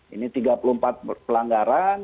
ini tiga puluh empat pelanggaran